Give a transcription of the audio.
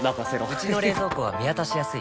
うちの冷蔵庫は見渡しやすい